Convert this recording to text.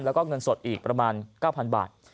แล้วก็เงินสดอีกประมาณ๙๐๐บาท